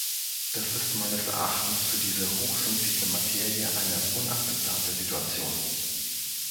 Das ist meines Erachtens für diese hochsensible Materie eine unakzeptable Situation.